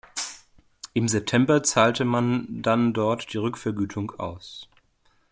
Im September zahlte man dann dort die Rückvergütung aus.